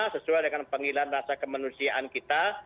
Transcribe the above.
sesuai dengan panggilan rasa kemanusiaan kita